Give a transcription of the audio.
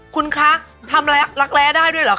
คุณคะทำอะไรรักแร้ได้ด้วยเหรอค